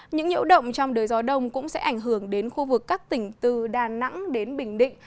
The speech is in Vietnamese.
những nhiễu động trong đời gió đông cũng sẽ ảnh hưởng đến khu vực các tỉnh từ đà nẵng đến bình định